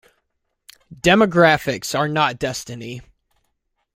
Demographics are not destiny.